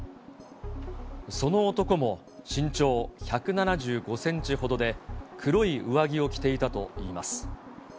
その男も、身長１７５センチほどで、黒い上着を着ていたといいます。